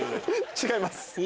違います。